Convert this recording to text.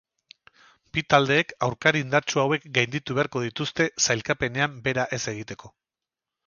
Bi taldeek aurkari indartsu hauek gainditu beharko dituzte sailkapenean behera ez egiteko.